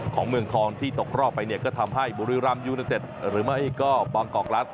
ของเมืองทองที่ตกรอบไปเนี่ยก็ทำให้บุรีรำยูเนเต็ดหรือไม่ก็บางกอกลัส